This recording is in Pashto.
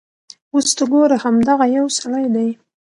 اوس ته ګوره همدغه یو سړی دی.